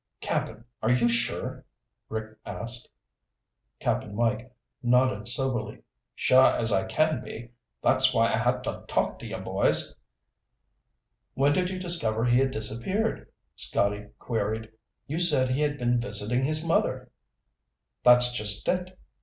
"Cap'n, are you sure?" Rick asked. Cap'n Mike nodded soberly. "Sure as I can be. That's why I had to talk to you boys." "When did you discover he had disappeared?" Scotty queried. "You said he had been visiting his mother." "That's just it.